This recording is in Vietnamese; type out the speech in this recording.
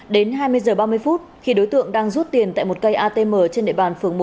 đến hai mươi h ba mươi phút khi đối tượng đang rút tiền tại một cây atm trên địa bàn phường một